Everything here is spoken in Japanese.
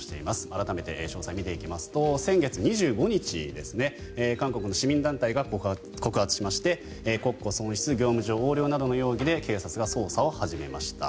改めて詳細を見ていきますと先月２５日韓国の市民団体が告発しまして国庫損失・業務上横領などの容疑で警察が捜査を始めました。